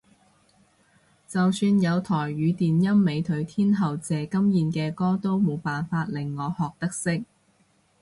就算有台語電音美腿天后謝金燕嘅歌都冇辦法令我學得識